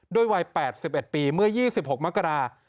วัย๘๑ปีเมื่อ๒๖มกรา